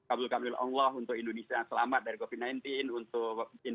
untuk indonesia yang selamat dari covid sembilan belas